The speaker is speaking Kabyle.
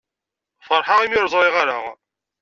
Feṛḥeɣ imi ur ẓṛiɣ ara.